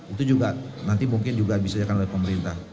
itu juga nanti mungkin juga bisa dikatakan oleh pemerintah